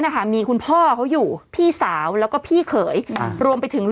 นะคะมีคุณพ่อเขาอยู่พี่สาวแล้วก็พี่เขยอ่ารวมไปถึง